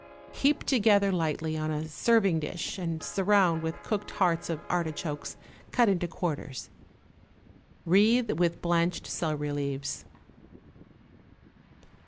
Heap together lightly on a serving dish and surround with cooked hearts of artichokes cut into quarters; wreathe with blanched celery leaves.